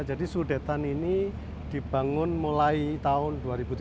jadi sudetan ini dibangun mulai tahun dua ribu tiga belas